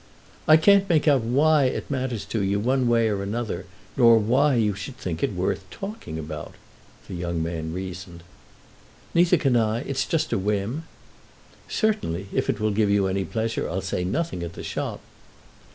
"I can't make out why it matters to you, one way or the other, nor why you should think it worth talking about," the young man reasoned. "Neither can I. It's just a whim." "Certainly, if it will give you any pleasure, I'll say nothing at the shop."